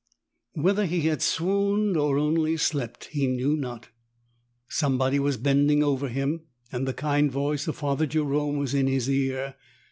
Whether he had swooned or only slept he knew not. Somebody was bending over him, and the kind voice of Father Jerome was in his ear.